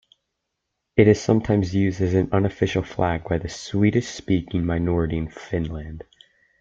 It is sometimes used as an unofficial flag by the Swedish-speaking minority in Finland.